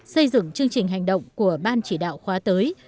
xây dựng chương trình hành động của ban chỉ đạo khóa tới